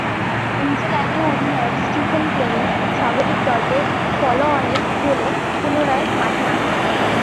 নিউজিল্যান্ডীয় অধিনায়ক Stephen Fleming স্বাগতিক দলকে ফলো-অনে ফেলে পুনরায় মাঠে নামায়।